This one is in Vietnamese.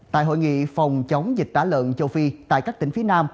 tại hội nghị phòng chống dịch tả lợn châu phi tại các tỉnh phía nam